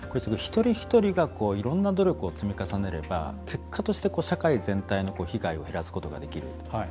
一人一人がいろんな努力を積み重ねれば結果として、社会全体の被害を減らすことができる。